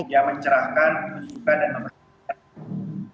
yang mencerahkan menyuka dan memenuhi